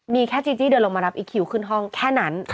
มีแค่จีจี้เดินลงมารับอีคิวขึ้นห้องแค่นั้น